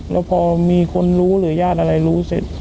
แล้วพอมีคนรู้หรือญาติอะไรรู้เสร็จ